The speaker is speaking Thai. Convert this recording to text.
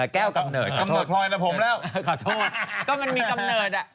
แก้วกำเนิด